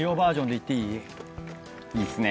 いいっすね。